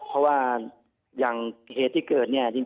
เพราะว่าอย่างเหตุที่เกิดเนี่ยจริง